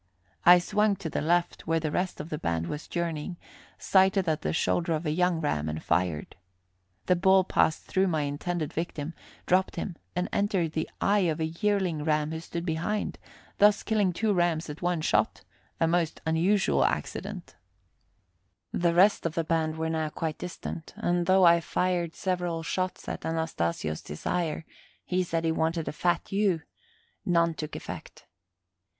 I swung to the left, where the rest of the band was journeying, sighted at the shoulder of a young ram and fired. The ball passed through my intended victim, dropping him, and entered the eye of a yearling ram who stood behind, thus killing two rams at one shot a most unusual accident. [Illustration: ROCKY MOUNTAIN AND POLO'S SHEEP, DRAWN TO SAME SCALE.] The rest of the band were now quite distant, and, though I fired several shots, at Anastasio's desire he said he wanted a fat ewe none took effect.